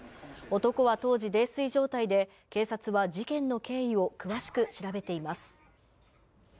男は当時、泥酔状態で、警察は事件の経緯を詳しく調べています。